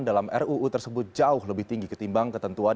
dalam ruu tersebut jauh lebih tinggi ketimbang ketentuan